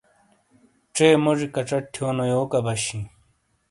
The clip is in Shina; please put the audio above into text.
ژے موجی کچٹ تھیونیو یوک عَبش ہِیں۔